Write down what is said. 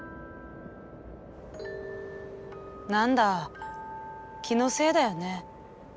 何だ気のせいだよね